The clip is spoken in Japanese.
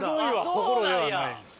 「心」ではないです。